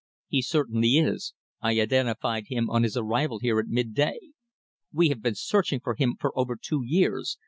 "He certainly is. I identified him on his arrival here at midday." "We have been searching for him for over two years.